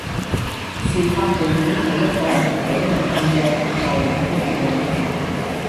事發地點係一個唔俾入去嘅舊體育館